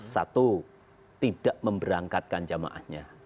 satu tidak memberangkatkan jamaahnya